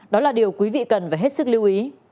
đó là điều quý vị cần phải hết sức lưu ý